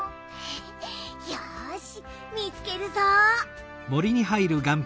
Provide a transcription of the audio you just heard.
よしみつけるぞ！